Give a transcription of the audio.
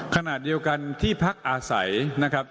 ขณะเดียวกันที่พักอาศัยนะครับ